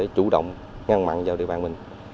chủ động ngăn mặn vào địa bàn mình